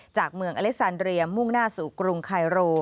จากเมืองอเล็กซานเรียมุ่งหน้าสู่กรุงไคโร